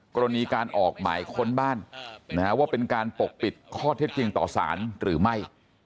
กรณีการออกหมายค้นบ้านว่าเป็นการปกปิดข้อเท็จจริงต่อสารหรือไม่